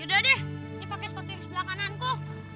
ya udah deh ini pakai sepatu yang sebelah kananku